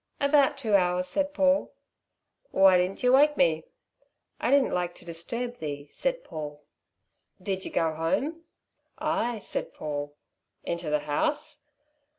"About two hours," said Paul. "Why didn't yer wake me?" "I didn't like to disturb thee," said Paul. "Did yer go home?" "Ay," said Paul. "Into the house?"